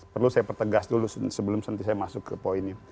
perlu saya pertegas dulu sebelum nanti saya masuk ke poinnya